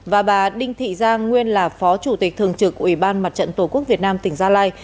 và bà đinh thị giang nguyên là phó chủ tịch thường trực ubnd tổ quốc việt nam tỉnh gia lai